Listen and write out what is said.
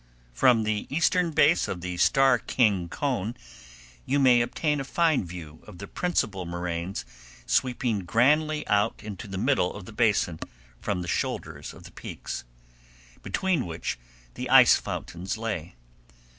From the eastern base of the Starr King cone you may obtain a fine view of the principal moraines sweeping grandly out into the middle of the basin from the shoulders of the peaks, between which the ice fountains lay.